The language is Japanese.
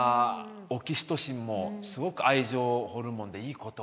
オキシトシンもすごく愛情ホルモンでいいこと。